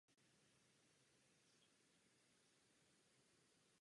Boj proti změně klimatu samozřejmě něco stojí.